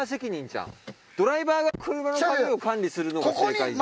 ドライバーが車の鍵を管理するのが正解じゃん。